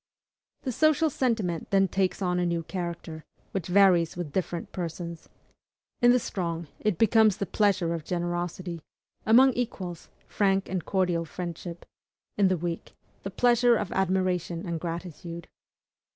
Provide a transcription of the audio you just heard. The social sentiment then takes on a new character, which varies with different persons. In the strong, it becomes the pleasure of generosity; among equals, frank and cordial friendship; in the weak, the pleasure of admiration and gratitude.